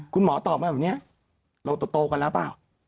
คุณหมอตอบมาแบบนี้เราโตกันแล้วเปล่า